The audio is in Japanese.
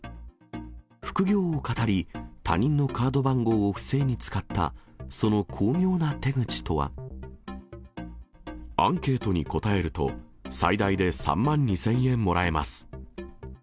副業をかたり、他人のカード番号を不正に使った、アンケートに答えると、最大で３万２０００円もらえます。